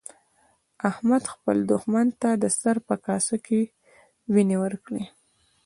احمد خپل دوښمن ته د سر په کاسه کې وينې ورکړې.